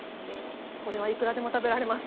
これはいくらでも食べられます。